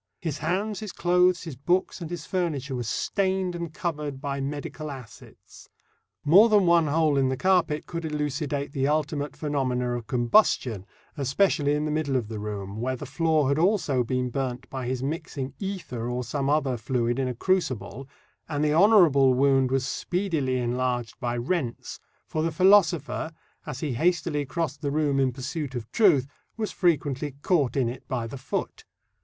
His hands, his clothes, his books, and his furniture, were stained and covered by medical acids more than one hole in the carpet could elucidate the ultimate phenomena of combustion, especially in the middle of the room, where the floor had also been burnt by his mixing ether or some other fluid in a crucible, and the honourable wound was speedily enlarged by rents, for the philosopher, as he hastily crossed the room in pursuit of truth, was frequently caught in it by the foot.